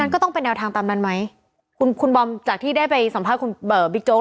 ก็ต้องเป็นแนวทางตามนั้นไหมคุณคุณบอมจากที่ได้ไปสัมภาษณ์คุณบิ๊กโจ๊